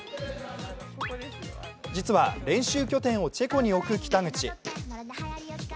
実は練習拠点をチェコに置く北口。